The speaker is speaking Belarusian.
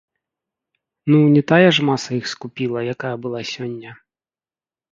Ну, не тая ж маса іх скупіла, якая была сёння?